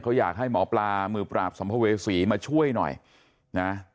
เขาอยากให้หมอปลามือปราบสัมภเวษีมาช่วยหน่อยนะ